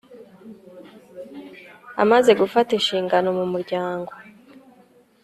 amaze gufata inshingano. mu muryango